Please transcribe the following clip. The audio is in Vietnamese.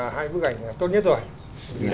hai bức ảnh tốt nhất rồi